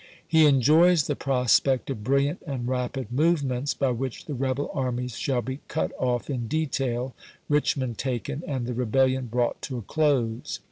He enjoys the prospect of brilliant and rapid movements, by which the rebel armies shall be cut off in detail, Eichmond taken, and the rebellion brought to a close.